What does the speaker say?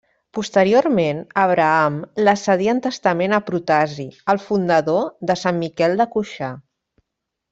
Posteriorment, Abraham la cedí en testament a Protasi, el fundador de Sant Miquel de Cuixà.